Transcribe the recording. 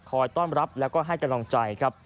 คอยต้อนรับและให้กำลังใจครับ